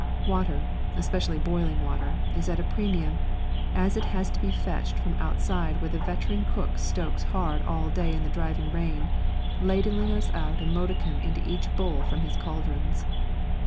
Water, especially boiling water, is at a premium, as it all has to be fetched from outside where the veteran cook stokes hard all day in the driving rain, ladling us out a modicum into each bowl from his cauldrons.